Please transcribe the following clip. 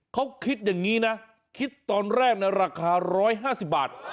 เขาคิดอย่างนี้นะคิดตอนแรกนะราคา๑๕๐บาท